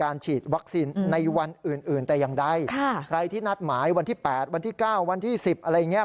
วันที่๘วันที่๙วันที่๑๐อะไรอย่างนี้